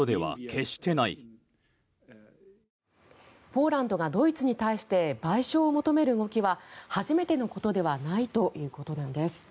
ポーランドがドイツに対して賠償を求める動きは初めてのことではないということなんです。